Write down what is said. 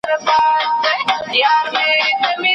سپوږمۍ ته به پر سرو شونډو زنګېږې شپه په خیر